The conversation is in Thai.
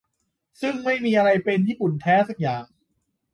ซึ่งไม่มีอะไรเป็น "ญี่ปุ่นแท้" สักอย่าง